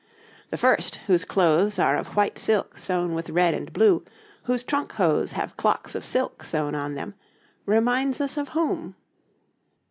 The first, whose clothes are of white silk sewn with red and blue, whose trunk hose have clocks of silk sewn on them, reminds us of whom?